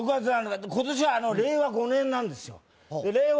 今年は令和５年なんですよ令和